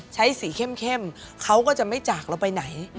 ใช้สีเข้มเขาก็จะไม่จากเราไปไหน